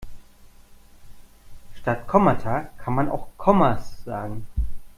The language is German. Statt Kommata kann man auch Kommas sagen.